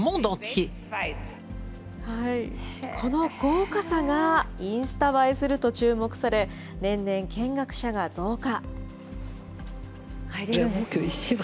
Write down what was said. この豪華さがインスタ映えすると注目され、年々見学者が増加。